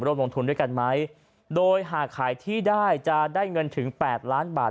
ลงทุนด้วยกันไหมโดยหากขายที่ได้จะได้เงินถึงแปดล้านบาท